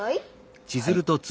はい。